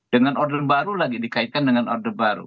dengan order baru lagi dikaitkan dengan order baru